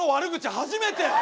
初めてや！